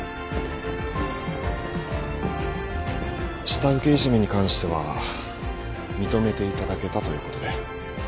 下請けいじめに関しては認めていただけたということで。